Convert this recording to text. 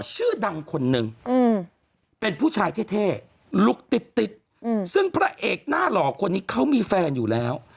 ชื่อดังคนนึงเป็นผู้ชายเท่ลุคติดติดซึ่งพระเอกหน้าหล่อคนนี้เขามีแฟนอยู่แล้ว